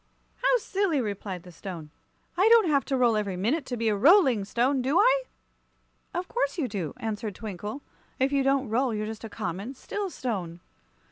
"How silly!" replied the Stone. "I don't have to roll every minute to be a Rolling Stone, do I?" "Of course you do," answered Twinkle. "If you don't roll you're just a common, still stone."